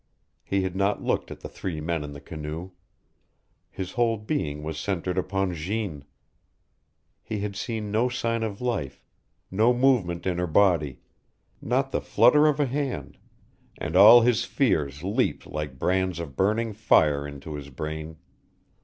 He had not looked at the three men in the canoe. His whole being was centered upon Jeanne. He had seen no sign of life no movement in her body, not the flutter of a hand, and all his fears leaped like brands of burning fire into his brain.